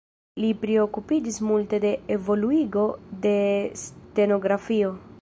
Li priokupiĝis multe de evoluigo de stenografio.